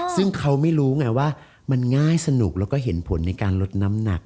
ซึ่งเขาไม่รู้ไงว่ามันง่ายสนุกแล้วก็เห็นผลในการลดน้ำหนัก